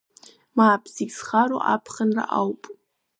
Мап, зегь зхароу аԥхынра ауп.